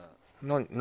何？